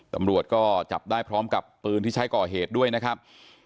ตำรวจก็จับได้พร้อมกับปืนที่ใช้ก่อเหตุด้วยนะครับ